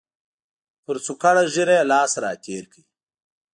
پر څوکړه ږیره یې لاس را تېر کړ.